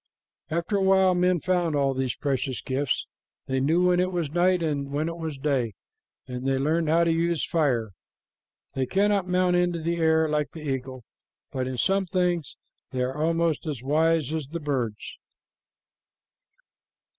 After a while men found all these precious gifts. They knew when it was night and when it was day, and they learned how to use fire. They cannot mount into the air like the eagle, but in some things they are almost as wise as the birds.